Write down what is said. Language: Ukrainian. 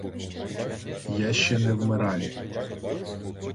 Я ще не вмираю.